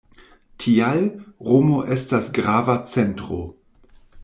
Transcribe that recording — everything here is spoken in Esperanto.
Tial, Romo estas grava centro.